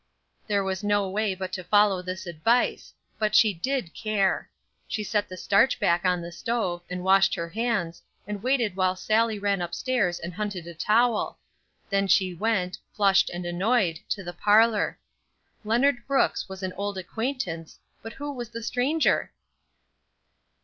There was no way but to follow this advice; but she did care. She set the starch back on the stove, and washed her hands, and waited while Sallie ran up stairs and hunted a towel; then she went, flushed and annoyed, to the parlor. Leonard Brooks was an old acquaintance, but who was the stranger?